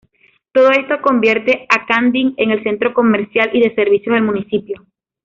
Todo esto convierte a Candín en el centro comercial y de servicios del municipio.